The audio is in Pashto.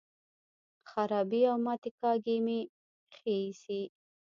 خرابې او ماتې کاږي مې ښې ایسي.